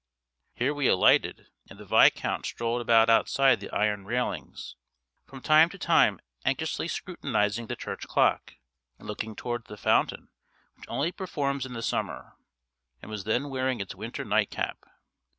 Here we alighted, and the Viscount strolled about outside the iron railings, from time to time anxiously scrutinising the church clock and looking towards the fountain which only performs in the summer, and was then wearing its winter night cap.